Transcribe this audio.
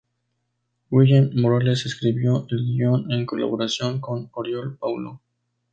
Guillem Morales escribió el guion en colaboración con Oriol Paulo.